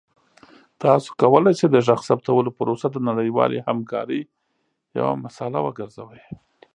تاسو کولی شئ د غږ ثبتولو پروسه د نړیوالې همکارۍ یوه مثاله وګرځوئ.